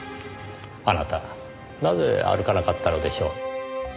あなたなぜ歩かなかったのでしょう？